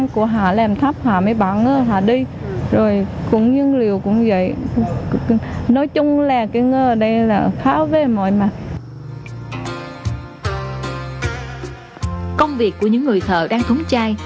công việc của những người thợ đang thúng chai